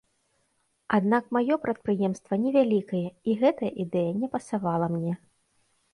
Аднак маё прадпрыемства невялікае, і гэтая ідэя не пасавала мне.